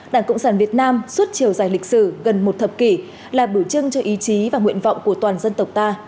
đảng cộng sản việt nam suốt chiều dài lịch sử gần một thập kỷ là biểu trưng cho ý chí và nguyện vọng của toàn dân tộc ta